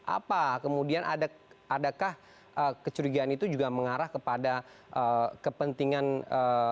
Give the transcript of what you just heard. apa kemudian adakah kecurigaan itu juga mengarah kepada kepentingan ee